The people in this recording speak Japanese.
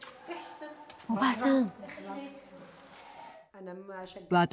おばさん。